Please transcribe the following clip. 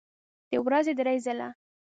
د ورځې درې ځله